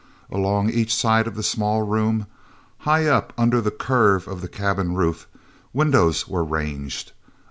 Along each side of the small room, high up under the curve of the cabin roof, windows were ranged.